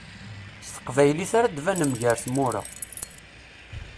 S teqbaylit ara d-banem gar tmura.